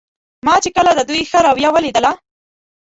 ما چې کله د دوی ښه رویه ولیدله.